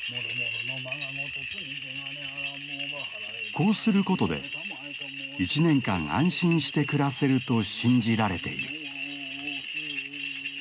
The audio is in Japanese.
こうすることで１年間安心して暮らせると信じられている。